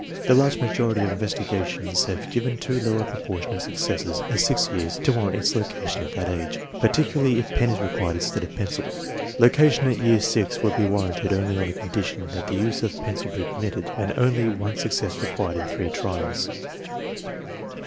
The large majority of investigations have given too low a proportion of successes at 6 years to warrant its location at that age, particularly if pen is required instead of pencil. Location at year VI would be warranted only on the condition that the use of pencil be permitted and only one success required in three trials.